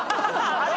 あれ？